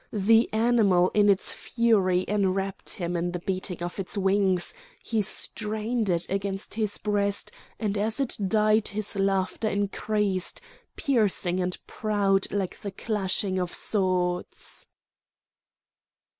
The animal in its fury enwrapped him in the beating of its wings; he strained it against his breast, and as it died his laughter increased, piercing and proud like the clashing of swords."